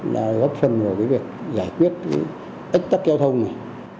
là góp phần vào cái việc giải quyết ích tắc giao thông này